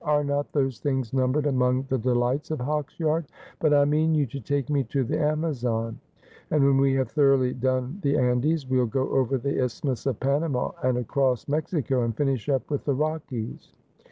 Are not those things numbered among the delights of Hawksyard ? But I mean you to take me to the Amazon, and when we have thoroughly done the Andes, we'll go over the Isthmus of Panama, and across Blexico, and finish up with the Rockies.